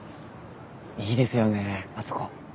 いいですよねあそこ。